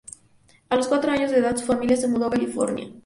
A los cuatro años de edad, su familia se mudó a California.